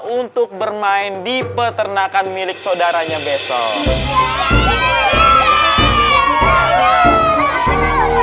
untuk bermain di peternakan milik saudaranya besok